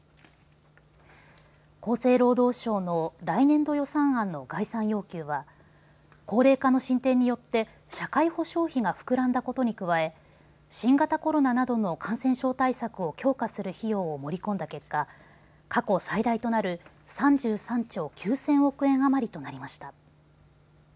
厚生労働省の来年度予算案の概算要求は高齢化の進展によって社会保障費が膨らんだことに加え新型コロナなどの感染症対策を強化する費用を盛り込んだ結果、過去最大となる３３兆９０００億円余りとなりました。